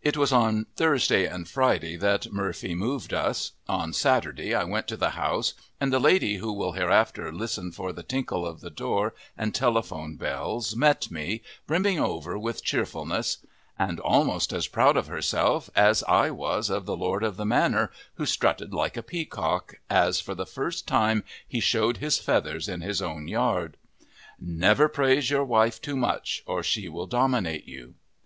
It was on Thursday and Friday that Murphy moved us. On Saturday I went to the house, and the lady who will hereafter listen for the tinkle of the door and telephone bells met me, brimming over with cheerfulness and almost as proud of herself as I was of the lord of the manor who strutted like a peacock, as for the first time he showed his feathers in his own front yard. Never praise your wife too much, or she will dominate you.